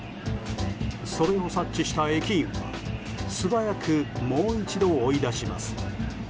それを察知した駅員は素早くもう一度追い出します。